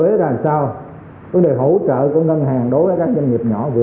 để làm sao một mặt là phòng chống dịch tốt